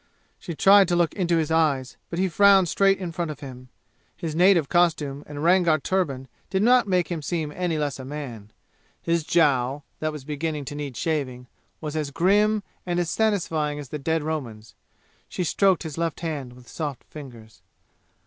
She tried to look into his eyes, but he frowned straight in front of him. His native costume and Rangar turban did not make him seem any less a man. His jowl, that was beginning to need shaving, was as grim and as satisfying as the dead Roman's. She stroked his left hand with soft fingers.